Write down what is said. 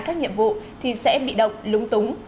các nhiệm vụ thì sẽ bị độc lúng túng